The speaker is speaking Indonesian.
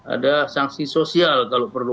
ada sanksi sosial kalau perlu